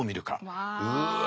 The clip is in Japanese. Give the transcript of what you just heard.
うわ。